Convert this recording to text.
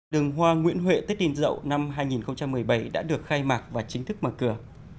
đường hoa nguyễn huệ tết in dậu năm hai nghìn một mươi bảy đã được khai mạc và chính thức mở cửa